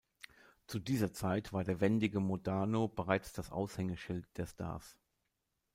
Zu dieser Zeit war der wendige Modano bereits das Aushängeschild der Stars.